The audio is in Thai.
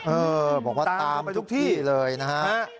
เออบอกว่าตามทุกที่เลยนะฮะ